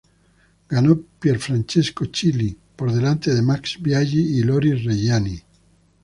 Ganó Pierfrancesco Chili, por delante de Max Biaggi y Loris Reggiani.